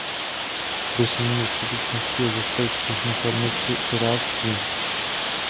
Řešením ve skutečnosti je zastavit všechny formy pirátství.